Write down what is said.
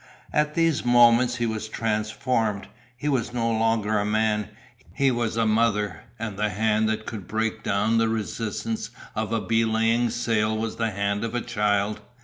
At these moments he was transformed, he was no longer a man, he was a mother, and the hand that could break down the resistance of a bellying sail was the hand of a child.